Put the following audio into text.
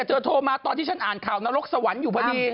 เธอโทรมาตอนที่ฉันอ่านข่าวนรกสวรรค์อยู่พอดี